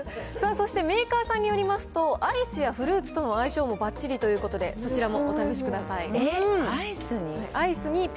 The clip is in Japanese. さあそしてメーカーさんによりますと、アイスやフルーツとの相性もばっちりということで、アイスに？